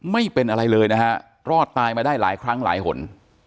ไม่เป็นอะไรเลยนะฮะรอดตายมาได้หลายครั้งหลายหน